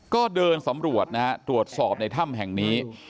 ก็เดินสำรวจนะฮะตรวจสอบในถ้ำแห่งนี้